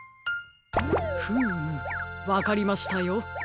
フームわかりましたよ。